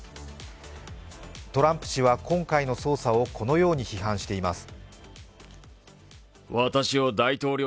トランプ氏は今回の捜査を、このように批判しています。